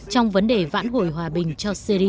trong vấn đề vãn hồi hòa bình cho syri